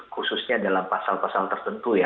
khususnya dalam pasal pasal tertentu ya